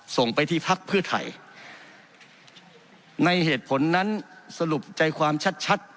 ส่งไปที่พักเพื่อไทยในเหตุผลนั้นสรุปใจความชัดชัด